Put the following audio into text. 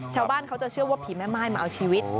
ชาวบ้านเขาจะเชื่อว่าผีแม่ม่ายมาเอาชีวิต